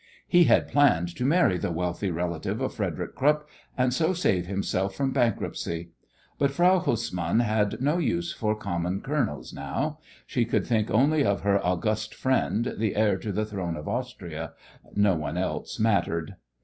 He had planned to marry the wealthy relative of Frederick Krupp, and so save himself from bankruptcy. But Frau Hussmann had no use for common colonels now. She could think only of her august friend, the heir to the throne of Austria; no one else mattered.